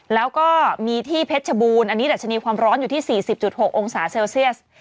แล้วก็มีที่เพชรชบูรณ์อันนี้ดัชนีความร้อนอยู่ที่๔๐๖องศาเซลเซียส